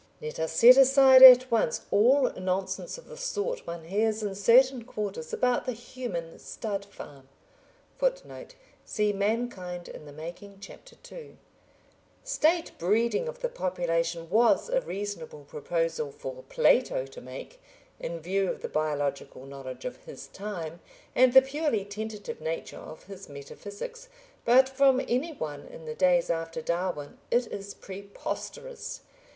Let us set aside at once all nonsense of the sort one hears in certain quarters about the human stud farm. [Footnote: See Mankind in the Making, Ch. II.] State breeding of the population was a reasonable proposal for Plato to make, in view of the biological knowledge of his time and the purely tentative nature of his metaphysics; but from anyone in the days after Darwin, it is preposterous.